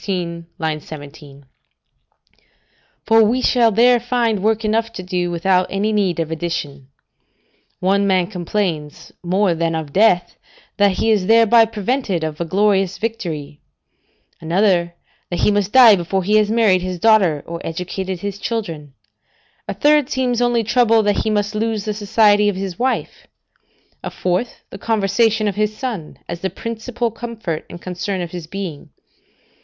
16, 17.] for we shall there find work enough to do, without any need of addition. One man complains, more than of death, that he is thereby prevented of a glorious victory; another, that he must die before he has married his daughter, or educated his children; a third seems only troubled that he must lose the society of his wife; a fourth, the conversation of his son, as the principal comfort and concern of his being.